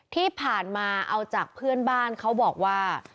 ที่ผ่านมาเอาจากเพื่อนบ้านเขาบอกว่า